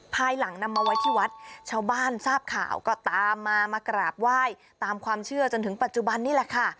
ภายหลังนำมาไว้ที่วัดชาวบ้านทราบข่าวก็ตามมามากราบไหว้ตามความเชื่อจนถึงปัจจุบันนี่แหละค่ะ